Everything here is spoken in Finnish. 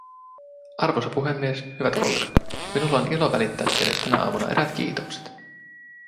Arvoisa puhemies, hyvät kollegat, minulla on ilo välittää teille tänä aamuna eräät kiitokset.